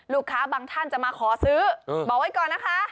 บางท่านจะมาขอซื้อบอกไว้ก่อนนะคะ